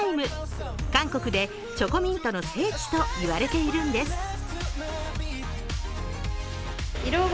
韓国でチョコミントの聖地と言われているんです。